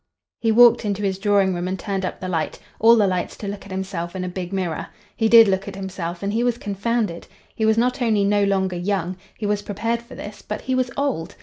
He walked into his drawing room and turned up the light—all the lights to look at himself in a big mirror. He did look at himself and he was confounded. He was not only no longer young—he was prepared for this—but he was old.